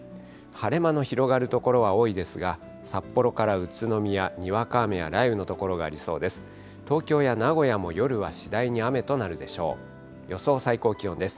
晴れ間の広がる所は多いですが、札幌から宇都宮、にわか雨や雷雨の所がありそうです。